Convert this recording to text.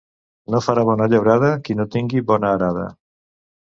No farà bona llaurada qui no tingui bona arada.